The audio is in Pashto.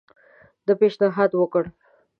ده پېشنهاد وکړ.